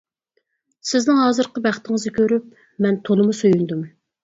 سىزنىڭ ھازىرقى بەختىڭىزنى كۆرۈپ مەن تولىمۇ سۆيۈندۈم.